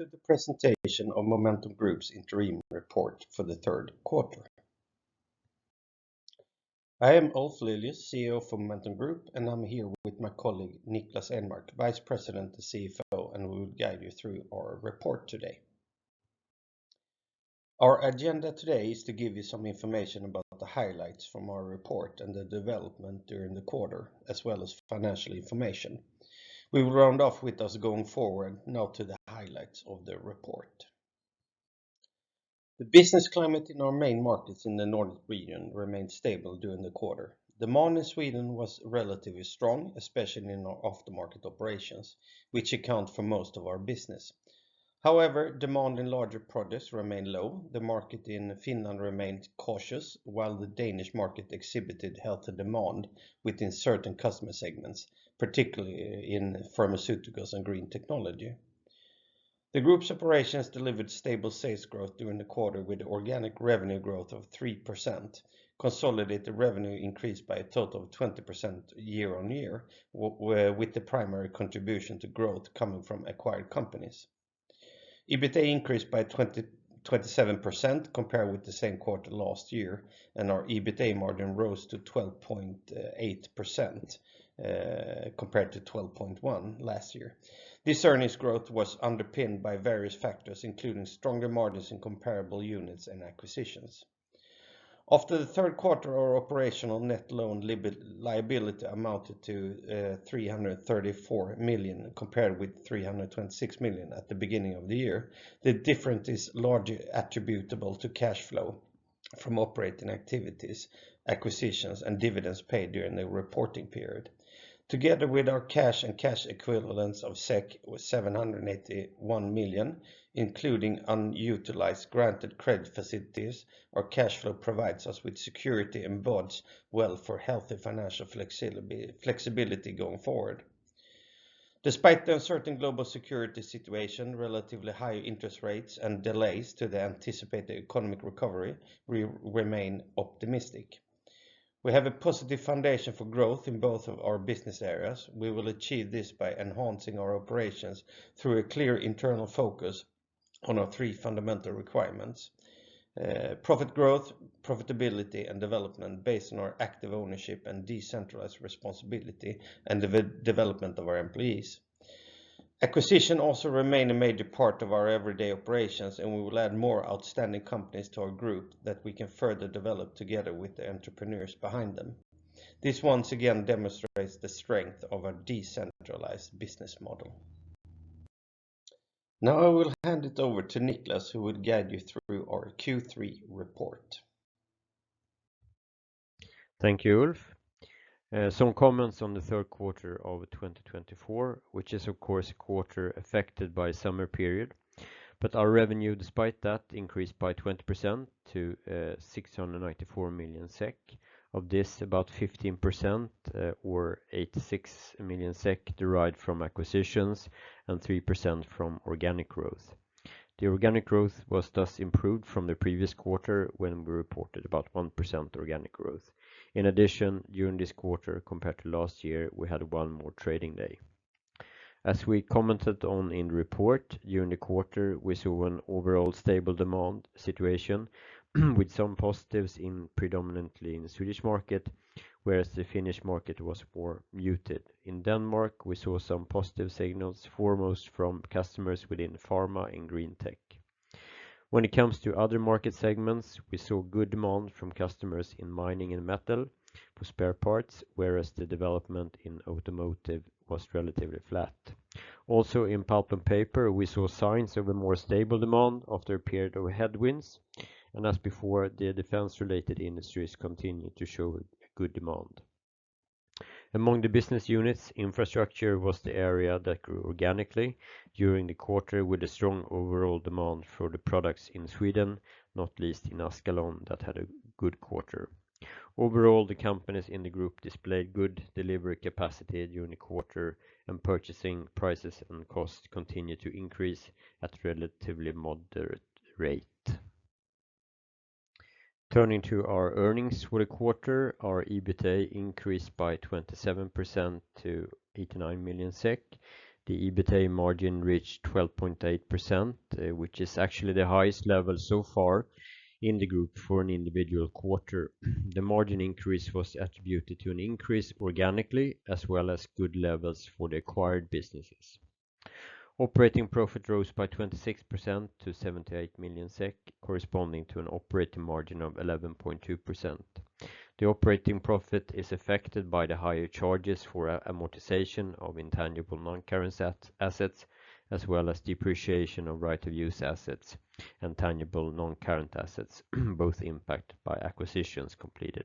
...Welcome to the presentation of Momentum Group's Interim Report for the third quarter. I am Ulf Lilius, CEO for Momentum Group, and I'm here with my colleague, Niklas Enmark, Vice President and CFO, and we will guide you through our report today. Our agenda today is to give you some information about the highlights from our report and the development during the quarter, as well as financial information. We will round off with us going forward, now to the highlights of the report. The business climate in our main markets in the Nordic region remained stable during the quarter. Demand in Sweden was relatively strong, especially in our aftermarket operations, which account for most of our business. However, demand in larger projects remained low. The market in Finland remained cautious, while the Danish market exhibited healthy demand within certain customer segments, particularly in pharmaceuticals and green technology. The group's operations delivered stable sales growth during the quarter, with organic revenue growth of 3%. Consolidated revenue increased by a total of 20% year-on-year, with the primary contribution to growth coming from acquired companies. EBITA increased by 27% compared with the same quarter last year, and our EBITA margin rose to 12.8%, compared to 12.1% last year. This earnings growth was underpinned by various factors, including stronger margins in comparable units and acquisitions. After the third quarter, our operational net loan liability amounted to 334 million, compared with 326 million at the beginning of the year. The difference is largely attributable to cash flow from operating activities, acquisitions, and dividends paid during the reporting period. Together with our cash and cash equivalents of 781 million, including unutilized granted credit facilities, our cash flow provides us with security and bodes well for healthy financial flexibility going forward. Despite the uncertain global security situation, relatively high interest rates and delays to the anticipated economic recovery, we remain optimistic. We have a positive foundation for growth in both of our business areas. We will achieve this by enhancing our operations through a clear internal focus on our three fundamental requirements: profit growth, profitability, and development based on our active ownership and decentralized responsibility and development of our employees. Acquisitions also remain a major part of our everyday operations, and we will add more outstanding companies to our group that we can further develop together with the entrepreneurs behind them. This once again demonstrates the strength of our decentralized business model. Now, I will hand it over to Niklas, who will guide you through our Q3 report. Thank you, Ulf. Some comments on the third quarter of 2024, which is of course a quarter affected by summer period. But our revenue, despite that, increased by 20% to 694 million SEK. Of this, about 15%, or 86 million SEK, derived from acquisitions and 3% from organic growth. The organic growth was thus improved from the previous quarter, when we reported about 1% organic growth. In addition, during this quarter, compared to last year, we had one more trading day. As we commented on in the report, during the quarter, we saw an overall stable demand situation, with some positives predominantly in the Swedish market, whereas the Finnish market was more muted. In Denmark, we saw some positive signals, foremost from customers within pharma and green tech. When it comes to other market segments, we saw good demand from customers in mining and metal for spare parts, whereas the development in automotive was relatively flat. Also, in pulp and paper, we saw signs of a more stable demand after a period of headwinds, and as before, the defense-related industries continued to show good demand. Among the business units, Infrastructure was the area that grew organically during the quarter, with a strong overall demand for the products in Sweden, not least in Askalon, that had a good quarter. Overall, the companies in the group displayed good delivery capacity during the quarter, and purchasing prices and costs continued to increase at relatively moderate rate. Turning to our earnings for the quarter, our EBITA increased by 27% to 89 million SEK. The EBITA margin reached 12.8%, which is actually the highest level so far in the group for an individual quarter. The margin increase was attributed to an increase organically as well as good levels for the acquired businesses. Operating profit rose by 26% to 78 million SEK, corresponding to an operating margin of 11.2%. The operating profit is affected by the higher charges for amortization of intangible non-current assets, as well as depreciation of right-of-use assets and tangible non-current assets, both impacted by acquisitions completed.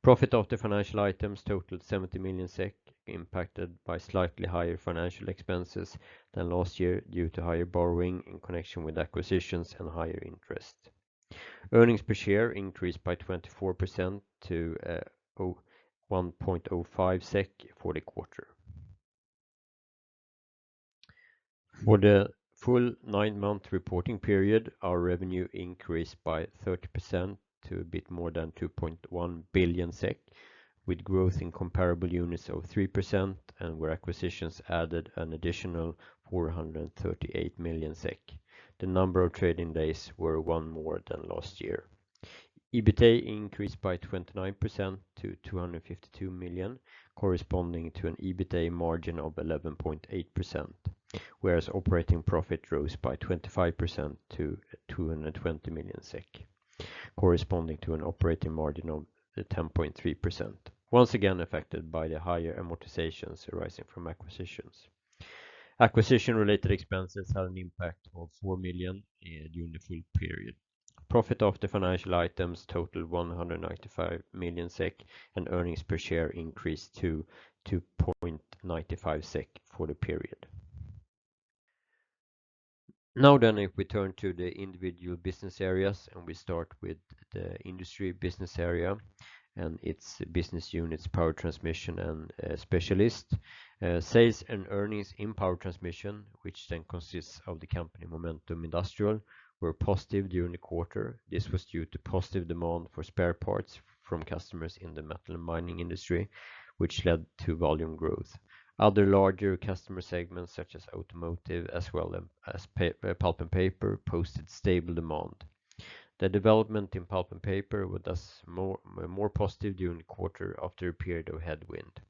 Profit after financial items totaled 70 million SEK, impacted by slightly higher financial expenses than last year due to higher borrowing in connection with acquisitions and higher interest. Earnings per share increased by 24% to 1.05 SEK for the quarter. For the full nine-month reporting period, our revenue increased by 30% to a bit more than 2.1 billion SEK, with growth in comparable units of 3%, and where acquisitions added an additional 438 million SEK. The number of trading days were one more than last year. EBITA increased by 29% to 252 million, corresponding to an EBITA margin of 11.8%, whereas operating profit rose by 25% to 220 million SEK, corresponding to an operating margin of 10.3%, once again affected by the higher amortizations arising from acquisitions. Acquisition-related expenses had an impact of 4 million during the full period. Profit after financial items totaled 195 million SEK, and earnings per share increased to 2.95 SEK for the period. Now, then, if we turn to the individual business areas, and we start with the Industry business area and its business units, Power Transmission and Specialist. Sales and earnings in Power Transmission, which then consists of the company, Momentum Industrial, were positive during the quarter. This was due to positive demand for spare parts from customers in the metal and mining industry, which led to volume growth. Other larger customer segments, such as automotive, as well as pulp and paper, posted stable demand. The development in pulp and paper were thus more positive during the quarter after a period of headwind.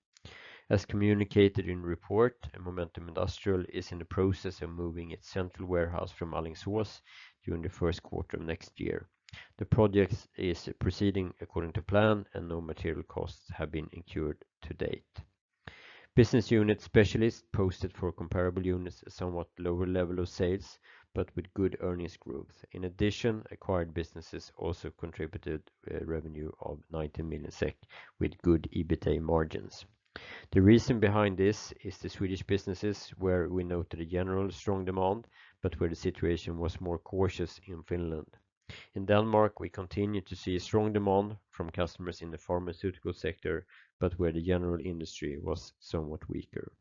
As communicated in the report, Momentum Industrial is in the process of moving its central warehouse from Alingsås during the first quarter of next year. The project is proceeding according to plan, and no material costs have been incurred to date. Business unit Specialist posted for comparable units, a somewhat lower level of sales, but with good earnings growth. In addition, acquired businesses also contributed revenue of 90 million SEK with good EBITA margins. The reason behind this is the Swedish businesses, where we noted a general strong demand, but where the situation was more cautious in Finland. In Denmark, we continued to see strong demand from customers in the pharmaceutical sector, but where the general industry was somewhat weaker.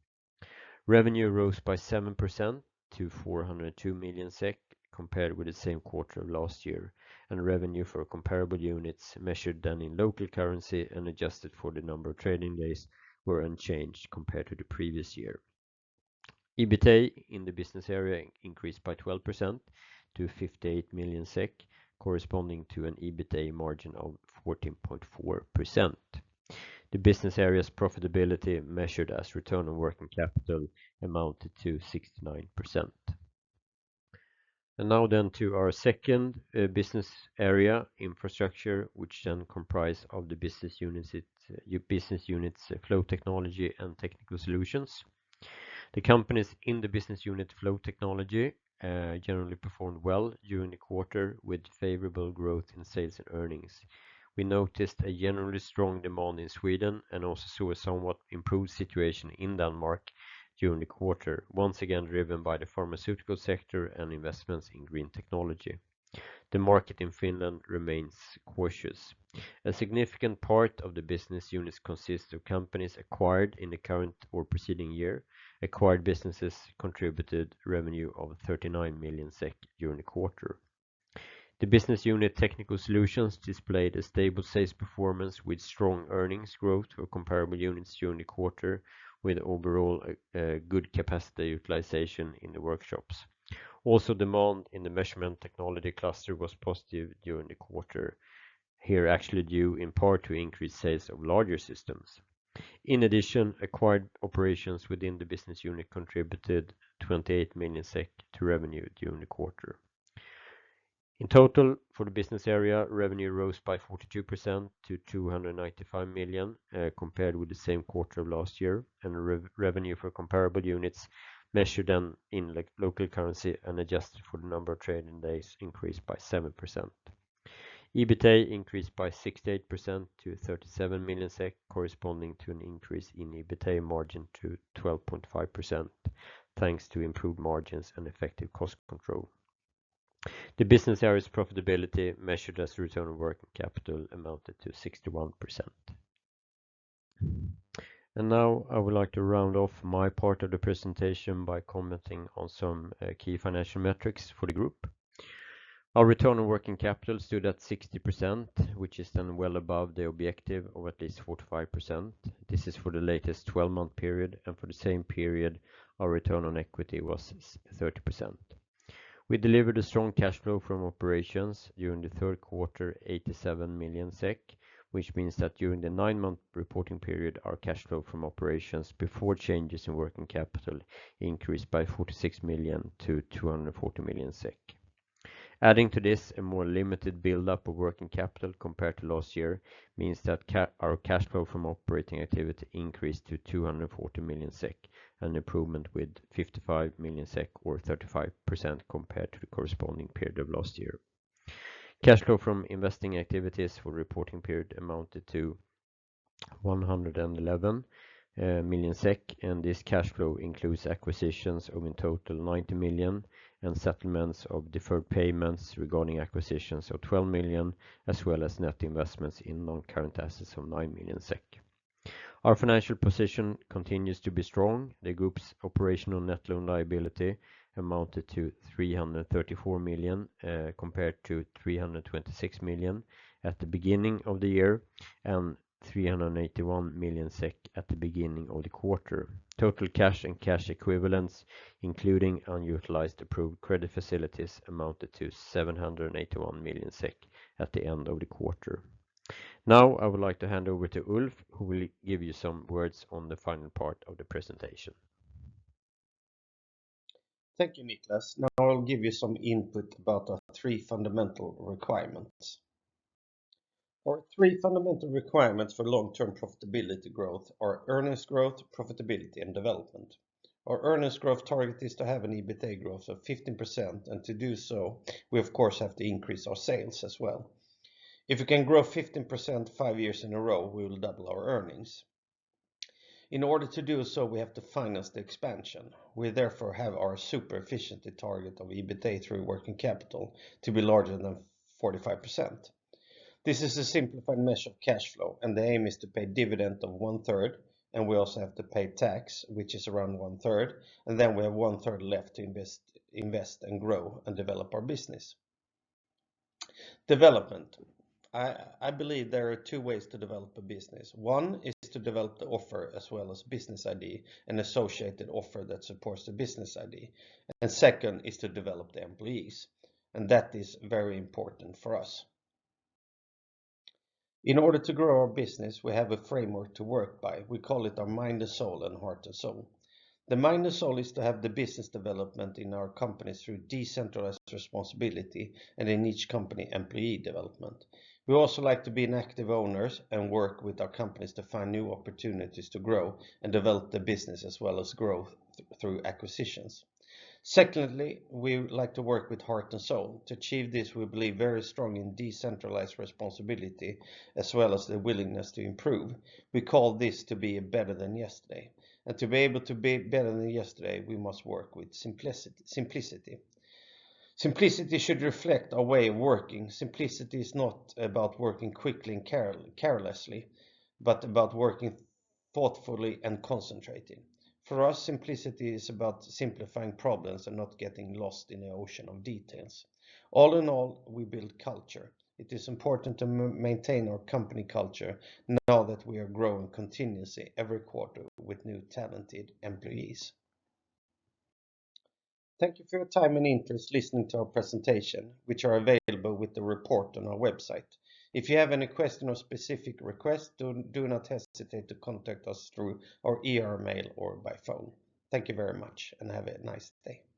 Revenue rose by 7% to 402 million SEK, compared with the same quarter of last year, and revenue for comparable units measured in local currency and adjusted for the number of trading days were unchanged compared to the previous year. EBITA in the business area increased by 12% to 58 million SEK, corresponding to an EBITA margin of 14.4%. The business area's profitability, measured as return on working capital, amounted to 69%. Now then to our second business area, Infrastructure, which then comprise of the business units IT, Flow Technology and Technical Solutions. The companies in the business unit, Flow Technology, generally performed well during the quarter with favorable growth in sales and earnings. We noticed a generally strong demand in Sweden and also saw a somewhat improved situation in Denmark during the quarter, once again, driven by the pharmaceutical sector and investments in green technology. The market in Finland remains cautious. A significant part of the business units consist of companies acquired in the current or preceding year. Acquired businesses contributed revenue of 39 million SEK during the quarter. The business unit, Technical Solutions, displayed a stable sales performance with strong earnings growth for comparable units during the quarter, with overall, good capacity utilization in the workshops. Also, demand in the Measurement Technology cluster was positive during the quarter. Here, actually, due in part to increased sales of larger systems. In addition, acquired operations within the business unit contributed 28 million SEK to revenue during the quarter. In total, for the business area, revenue rose by 42% to 295 million, compared with the same quarter of last year, and revenue for comparable units measured in local currency and adjusted for the number of trading days increased by 7%. EBITA increased by 68% to 37 million SEK, corresponding to an increase in EBITA margin to 12.5%, thanks to improved margins and effective cost control. The business area's profitability, measured as return on working capital, amounted to 61%. And now I would like to round off my part of the presentation by commenting on some key financial metrics for the group. Our return on working capital stood at 60%, which is then well above the objective of at least 45%. This is for the latest twelve-month period, and for the same period, our return on equity was 30%. We delivered a strong cash flow from operations during the third quarter, 87 million SEK, which means that during the nine-month reporting period, our cash flow from operations before changes in working capital increased by 46 million to 240 million SEK. Adding to this, a more limited buildup of working capital compared to last year, means that our cash flow from operating activity increased to 240 million SEK, an improvement with 55 million SEK or 35% compared to the corresponding period of last year. Cash flow from investing activities for reporting period amounted to 111 million SEK, and this cash flow includes acquisitions of in total 90 million and settlements of deferred payments regarding acquisitions of 12 million, as well as net investments in non-current assets of 9 million SEK. Our financial position continues to be strong. The group's operational net loan liability amounted to 334 million, compared to 326 million at the beginning of the year, and 381 million SEK at the beginning of the quarter. Total cash and cash equivalents, including unutilized approved credit facilities, amounted to 781 million SEK at the end of the quarter. Now, I would like to hand over to Ulf, who will give you some words on the final part of the presentation. Thank you, Niklas. Now I'll give you some input about our three fundamental requirements. Our three fundamental requirements for long-term profitability growth are earnings growth, profitability, and development. Our earnings growth target is to have an EBITA growth of 15%, and to do so, we of course have to increase our sales as well. If we can grow 15% five years in a row, we will double our earnings. In order to do so, we have to finance the expansion. We therefore have our super efficiency target of EBITA through working capital to be larger than 45%. This is a simplified measure of cash flow, and the aim is to pay dividend of one-third, and we also have to pay tax, which is around one-third, and then we have one-third left to invest and grow and develop our business. I believe there are two ways to develop a business. One is to develop the offer as well as business idea and associated offer that supports the business idea, and second is to develop the employees, and that is very important for us. In order to grow our business, we have a framework to work by. We call it our mind and soul and heart and soul. The mind and soul is to have the business development in our companies through decentralized responsibility and in each company, employee development. We also like to be an active owners and work with our companies to find new opportunities to grow and develop the business, as well as growth through acquisitions. Secondly, we like to work with heart and soul. To achieve this, we believe very strong in decentralized responsibility, as well as the willingness to improve. We call this to be better than yesterday, and to be able to be better than yesterday, we must work with simplicity, simplicity. Simplicity should reflect our way of working. Simplicity is not about working quickly and carelessly, but about working thoughtfully and concentrating. For us, simplicity is about simplifying problems and not getting lost in the ocean of details. All in all, we build culture. It is important to maintain our company culture now that we are growing continuously every quarter with new, talented employees. Thank you for your time and interest listening to our presentation, which are available with the report on our website. If you have any questions or specific requests, do, do not hesitate to contact us through our email or by phone. Thank you very much and have a nice day.